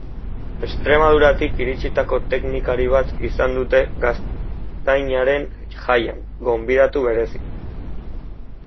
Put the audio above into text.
Extremaduratik iritsitako teknikari bat izan dute Gaztainaren Jaian gonbidatu berezi.